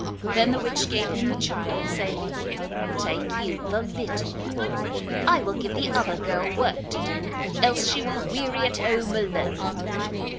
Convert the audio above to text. Then the witch gave him the child, saying: 'Take you the little one; I will give the other girl work to do, else she will weary at home alone.